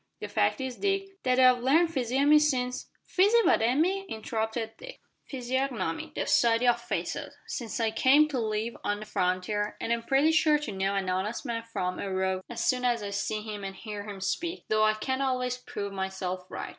The fact is, Dick, that I've learned physiognomy since " "Fizzi what umy?" interrupted Dick. "Physiognomy the study o' faces since I came to live on the frontier, an' I'm pretty sure to know an honest man from a rogue as soon as I see him an' hear him speak though I can't always prove myself right."